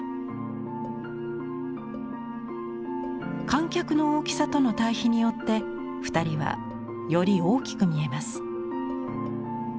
観客の大きさとの対比によって２人はより大きく見えます。